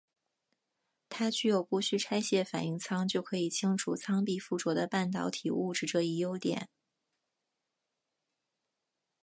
它具有不需拆卸反应舱就可以清除舱壁附着的半导体物质这一优点。